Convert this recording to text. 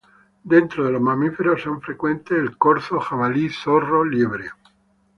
Dentro de los mamíferos son frecuentes el corzo, jabalí, zorro, liebre.